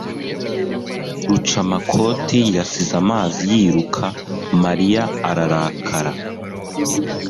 Rucamakoti yasize amazi yiruka Mariya ararakara